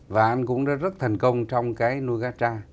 và anh cũng rất thành công trong cái nuôi cá tra